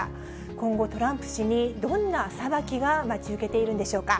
今後、トランプ氏にどんな裁きが待ち受けているんでしょうか。